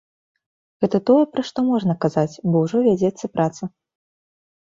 Гэта тое, пра што можна казаць, бо ўжо вядзецца праца.